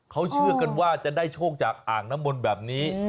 เขาเชื่อกันว่าจะได้โชคจากอ่างน้ำมนต์แบบนี้